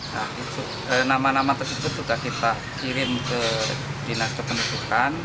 nah nama nama tersebut sudah kita kirim ke dinas kependudukan